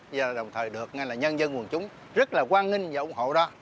và đồng thời được ngay là nhân dân quần chúng rất là quan nghênh và ủng hộ đó